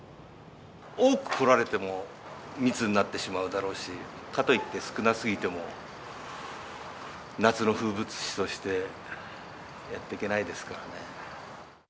多く来られても、密になってしまうだろうし、かといって少なすぎても、夏の風物詩としてやっていけないですからね。